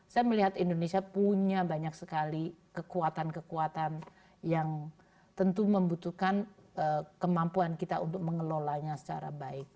saya melihat indonesia punya banyak sekali kekuatan kekuatan yang tentu membutuhkan kemampuan kita untuk mengelolanya secara baik